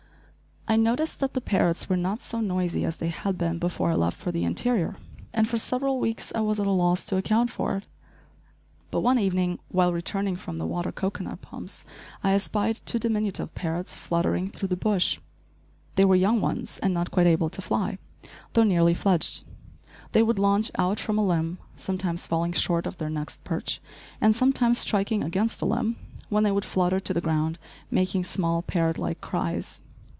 I noticed that the parrots were not so noisy as they had been before I left for the interior, and for several weeks I was at a loss to account for it. But one evening, while returning from the water cocoanut palms, I espied two diminutive parrots fluttering through the bush. They were young ones and not quite able to fly, though nearly fledged. They would launch out from a limb, sometimes falling short of their next perch, and sometimes striking against a limb, when they would flutter to the ground, making small, parrot like cries.